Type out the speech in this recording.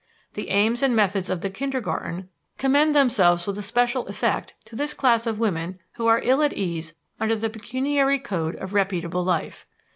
The aims and methods of the kindergarten commend themselves with especial effect to this class of women who are ill at ease under the pecuniary code of reputable life.